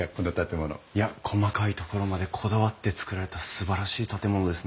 いや細かいところまでこだわって造られたすばらしい建物ですね。